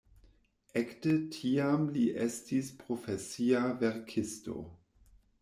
Ekde tiam li estis profesia verkisto.